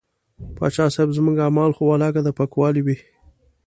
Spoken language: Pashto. پاچا صاحب زموږ اعمال خو ولاکه د پاکوالي وي.